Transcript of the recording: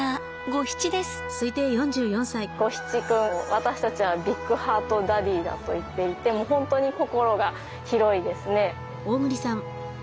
ゴヒチ君私たちは「ビッグハートダディ」だと言っていて本当に心が広いですね。